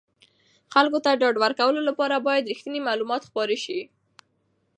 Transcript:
خلکو ته د ډاډ ورکولو لپاره باید رښتیني معلومات خپاره شي.